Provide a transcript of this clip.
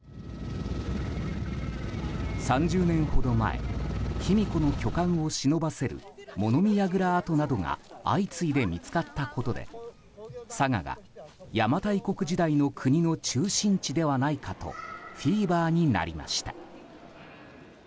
３０年ほど前卑弥呼の居館をしのばせる物見やぐら跡などが相次いで見つかったことで佐賀が邪馬台国時代のクニの中心部ではないかとフィーバーになりました。